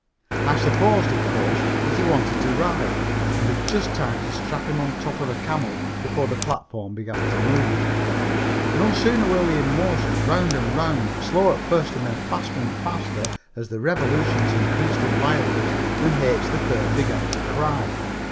I supposed, of course, that he wanted to ride and had just time to strap him on top of a camel before the platform began to move. No sooner were we in motion round and round, slow at first and then faster and faster as the revolutions increased in violence, than H. 3rd began to cry.